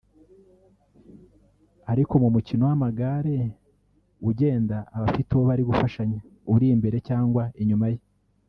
ariko mu mukino w’amagare ugenda aba afite uwo bari gufashanya uri imbere ye cyangwa inyuma ye